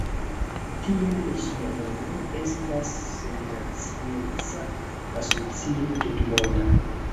Tial ĝia nomo estas Sennacieca Asocio Tutmonda.